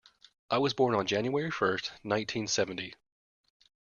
I was born on January first, nineteen seventy.